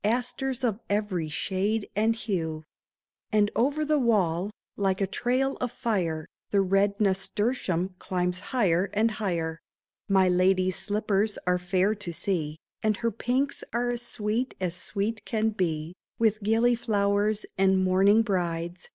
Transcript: Asters of every shade and hue ; And over the wall, like a trail of fire. The red nasturtium climbs high and higher. My lady's slippers are fair to see. And her pinks are as sweet as sweet can be, With gilly flowers and mourning brides.